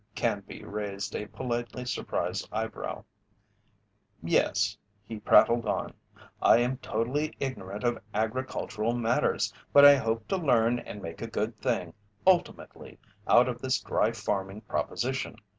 Canby raised a politely surprised eyebrow. "Yes," he prattled on, "I am totally ignorant of agricultural matters; but I hope to learn and make a good thing, ultimately, out of this dry farming proposition.